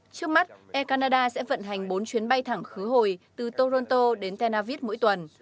trước mắt air canada sẽ vận hành bốn chuyến bay thẳng khứ hồi từ toronto đến tenavis mỗi tuần